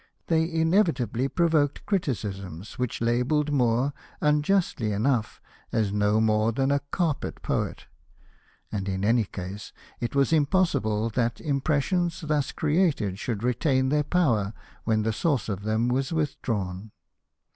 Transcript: They inevitably provoked criticisms which labelled Moore, unjustly enough, as no more than a " carpet poet "; and in any case, it was impossible that impressions thus created should retain their power when the source of them was withdrawn.